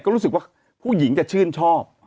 ก็รู้สึกว่าผู้หญิงจะชื่นชอบ